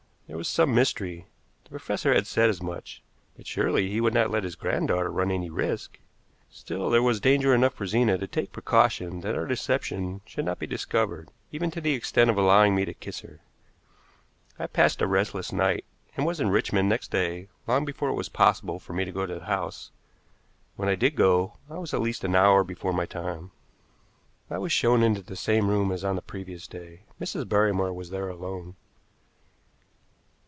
There was some mystery the professor had said as much but surely he would not let his granddaughter run any risk? Still there was danger enough for Zena to take precaution that our deception should not be discovered, even to the extent of allowing me to kiss her. I passed a restless night, and was in Richmond next day long before it was possible for me to go to the house. When I did go, I was at least an hour before my time. I was shown into the same room as on the previous day. Mrs. Barrymore was there alone.